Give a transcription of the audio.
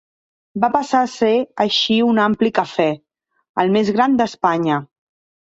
Va passar a ser així un ampli cafè, el més gran d'Espanya.